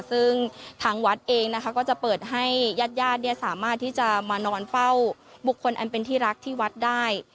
ซึ่งทางวัดเองนะคะก็จะเปิดให้ญาติญาติสามารถที่จะมานอนเฝ้าบุคคลอันเป็นที่รักที่วัดได้